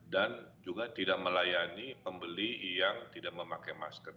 dan juga tidak melayani pembeli yang tidak memakai masker